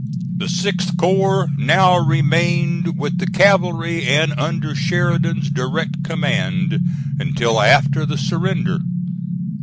The 6th corps now remained with the cavalry and under Sheridan's direct command until after the surrender.